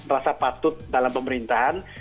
rasa patut dalam pemerintahan